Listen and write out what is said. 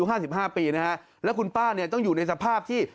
อายุ๕๕ปีนะฮะและคุณป้าเนี่ยต้องอยู่ในสภาพที่